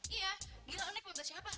iya gila unik mau beli siapa